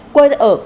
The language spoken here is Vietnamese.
quay ở quảng ngân